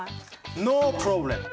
ノープロブレム！